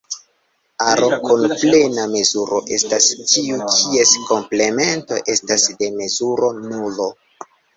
Aro kun plena mezuro estas tiu kies komplemento estas de mezuro nulo.